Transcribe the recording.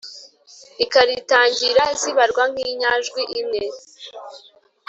ikaritangira zibarwa nk’inyajwi imwe